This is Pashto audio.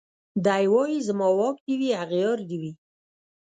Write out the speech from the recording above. دی وايي زما واک دي وي اغيار دي وي